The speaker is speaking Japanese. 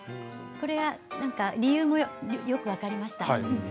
これは、なんか理由もよく分かりました。